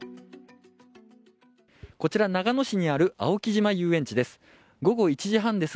こちら、長野市にある青木島遊園地です。